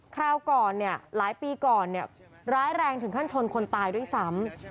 คราวก่อนเนี่ยหลายปีก่อนร้ายแรงถึงขั้นชนคนตายด้วยซ้ำ